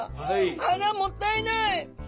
あらもったいない！